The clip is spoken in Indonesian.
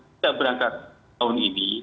tidak berangkat tahun ini